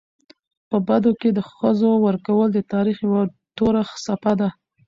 په بدو کي د ښځو ورکول د تاریخ یوه توره څپه ده.